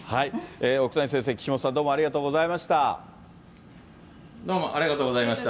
奥谷先生、岸本さん、お２人どうもありがとうございました。